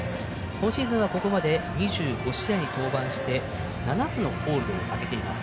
今シーズンは、ここまで２５試合登板して７つのホールドを挙げています。